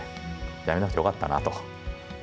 辞めなくてよかったなと。